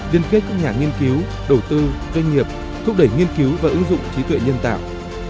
liên kết các nhà nghiên cứu đầu tư doanh nghiệp thúc đẩy nghiên cứu và ứng dụng trí tuệ nhân tạo